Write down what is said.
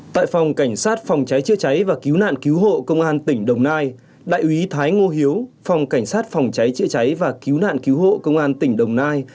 tại phòng cảnh sát phòng cháy chữa cháy và cứu nạn cứu hộ công an tỉnh đồng nai đại úy thái ngô hiếu phòng cảnh sát phòng cháy chữa cháy và cứu nạn cứu hộ công an tỉnh đồng nai